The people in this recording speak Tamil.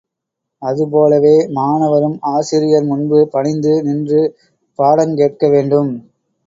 அது போலவே மாணவரும் ஆசிரியர் முன்பு பணிந்து நின்று பாடங்கேட்க வேண்டும்.